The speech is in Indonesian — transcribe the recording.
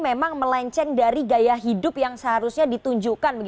memang melenceng dari gaya hidup yang seharusnya ditunjukkan